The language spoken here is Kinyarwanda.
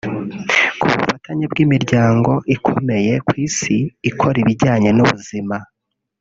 Ku bufatanye bw’imiryango ikomeye ku isi ikora ibijyanye n’ubuzima